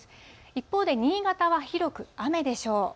一方で、新潟は広く雨でしょう。